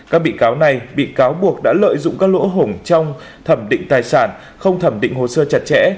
các bị cáo này bị cáo buộc đã lợi dụng các lỗ hổng trong thẩm định tài sản không thẩm định hồ sơ chặt chẽ